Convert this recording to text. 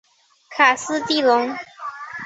卡斯蒂隆。